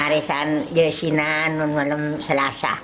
aarisan jauh sinan dan malam selasa